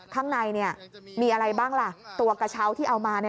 ข้างในมีอะไรบ้างล่ะตัวกระเช้าที่เอามา